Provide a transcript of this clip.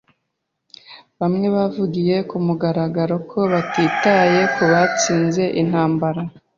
Bamwe bavugiye kumugaragaro ko batitaye kubatsinze intambara.